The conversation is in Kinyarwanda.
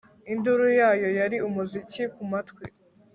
Induru yayo yari umuziki kumatwi